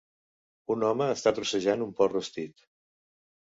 Un home està trossejant un porc rostit.